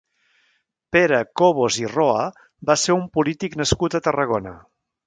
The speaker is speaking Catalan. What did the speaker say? Pere Cobos i Roa va ser un polític nascut a Tarragona.